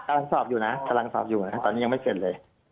กำลังสอบอยู่นะตอนนี้ยังไม่เก็บเลย